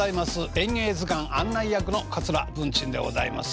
「演芸図鑑」案内役の桂文珍でございます。